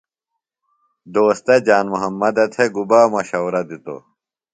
دوستہ جان محمدہ تھےۡ گُبا مشورہ دِتوۡ؟